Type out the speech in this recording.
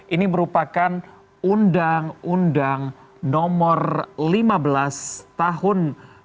ini merupakan undang undang no lima belas tahun dua ribu dua puluh dua